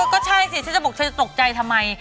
ก็ใช่สิฉันจะบอกฉันจะตกใจทำไม